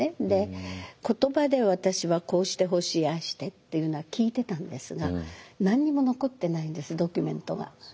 で言葉で私はこうしてほしいああしてっていうのは聞いてたんですが何にも残ってないんですドキュメントが。